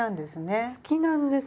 好きなんです。